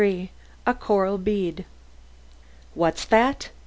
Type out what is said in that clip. XXIII A CORAL BEAD "What's that?"